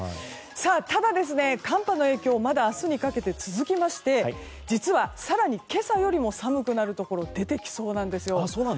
ただ、寒波の影響はまだ明日にかけて続きまして実は、更に今朝よりも寒くなるところが出てきそうなんですよ。